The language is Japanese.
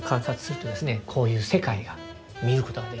こういう世界が見ることができると。